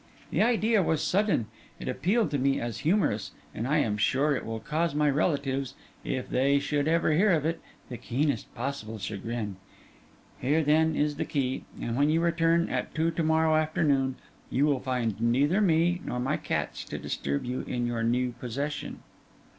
The idea was sudden; it appealed to me as humorous: and I am sure it will cause my relatives, if they should ever hear of it, the keenest possible chagrin. Here, then, is the key; and when you return at two to morrow afternoon, you will find neither me nor my cats to disturb you in your new possession.